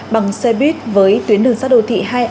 bằng xe buýt với tuyến đường sát đô thị